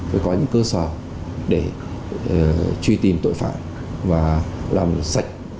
phải có những cơ sở để truy tìm tội phạm và làm sạch